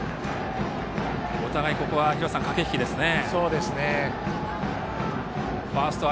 お互い、ここは駆け引きですね。